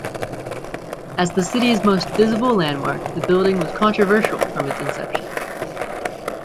As the city's most visible landmark, the building was controversial from its inception.